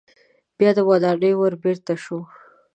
بیا د ودانۍ ور بیرته شو.